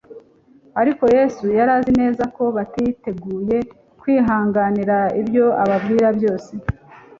Ariko Yesu yari azi neza ko batiteguye kwihanganira ibyo ababwira byose.